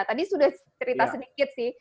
tadi sudah cerita sedikit sih